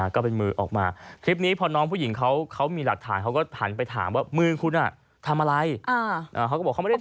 เขาก็บอกว่าเขาไม่ได้ทำ